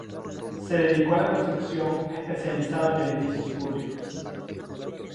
Se dedicó a la construcción, especializado en edificios públicos.